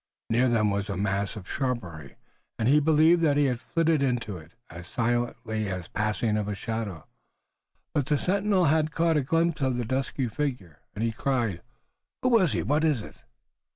Near them was a mass of shrubbery and he believed that he had flitted into it, as silently as the passing of a shadow. But the sentinel had caught a glimpse of the dusky figure, and he cried: "Who was he? What is it?"